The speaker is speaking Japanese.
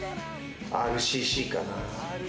ＲＣＣかな。